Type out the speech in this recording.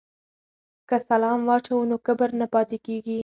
که سلام واچوو نو کبر نه پاتې کیږي.